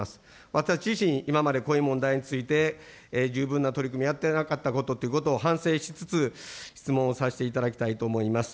私自身、今までこういう問題について、十分な取り組みをやってなかったということを反省しつつ、質問をさせていただきたいと思います。